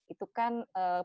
itu kan pilihan politik ya